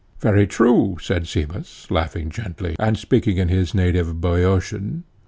Very true, said Cebes, laughing gently and speaking in his native Boeotian.